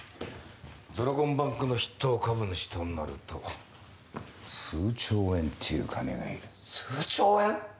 ドラゴンバンクの筆頭株主となると数兆円っていう金がいる数兆円！？